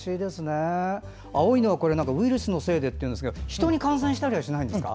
青いのはウイルスのせいでということですが人に感染したりしないんですか？